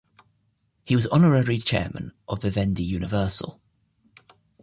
He was Honorary Chairman of Vivendi Universal.